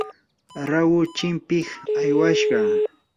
rahu chimpiq aywashqa.